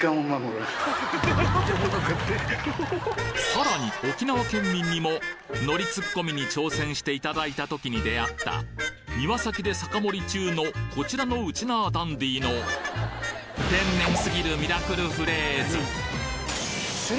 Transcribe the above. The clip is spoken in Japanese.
さらに沖縄県民にもノリツッコミに挑戦して頂いたときに出会った庭先で酒盛り中のこちらのウチナーダンディーのお父さん。